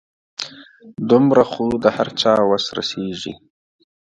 دومره خو د هر چا وس رسيږي .